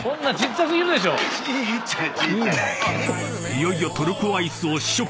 ［いよいよトルコアイスを試食］